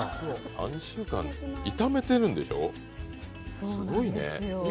３週間炒めてるんでしょ、すごいね。